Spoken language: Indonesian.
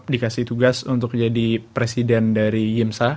dikasih tugas untuk jadi presiden dari yimsa